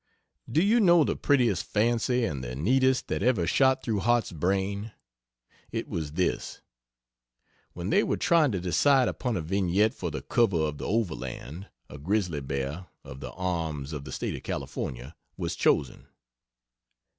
Do you know the prettiest fancy and the neatest that ever shot through Harte's brain? It was this: When they were trying to decide upon a vignette for the cover of the Overland, a grizzly bear (of the arms of the State of California) was chosen.